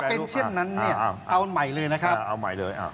เป็นเช่นนั้นเนี่ยเอาใหม่เลยนะครับเอาใหม่เลย